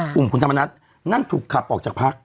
กลุ่มคุณธรรมนัฐนั่นถูกขับออกจากพัก